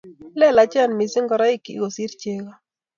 Lelachen missing ngoroikyik kosir chego.